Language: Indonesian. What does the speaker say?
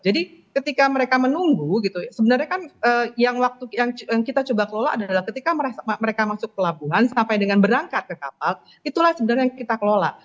jadi ketika mereka menunggu gitu sebenarnya kan yang waktu yang kita coba kelola adalah ketika mereka masuk ke pelabuhan sampai dengan berangkat ke kapal itulah sebenarnya yang kita kelola